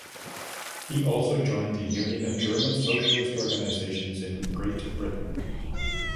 He also joined the Union of German Socialist Organisations in Great Britain.